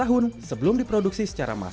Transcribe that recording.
sehingga dapat mengukur kadar alkohol dengan tepat